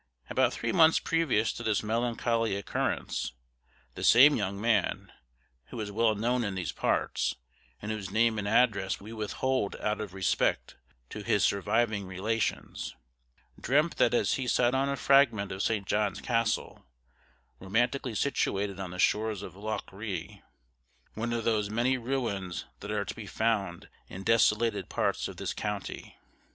About three months previous to this melancholy occurrence the same young man, who is well known in these parts, and whose name and address we withhold out of respect to his surviving relations, dreamt that as he sat on a fragment of St. John's Castle, romantically situated on the shores of Loch Ree one of those many ruins that are to be found in desolated parts of this county!